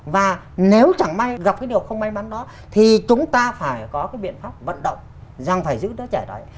và nếu chẳng may gặp cái điều không may mắn đó thì chúng ta phải có cái biện pháp vận động rằng phải giữ đứa trẻ đó